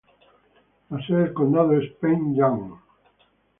La sede del condado es Penn Yan.